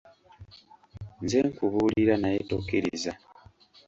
Nze nkubuulira naye tokkiriza.